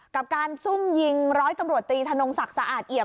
กับการซุ่มยิงร้อยตำรวจตรีธนงศักดิ์สะอาดเอี่ยม